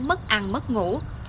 mất ăn mất ngủ